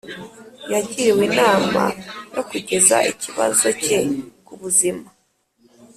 Yagiriwe inama yo kugeza ikibazo cye ku buzima